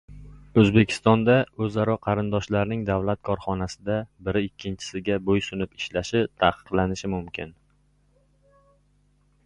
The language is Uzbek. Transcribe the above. O‘zbekistonda o‘zaro qarindoshlarning davlat korxonasida biri ikkinchisiga bo‘ysunib ishlashi taqiqlanishi mumkin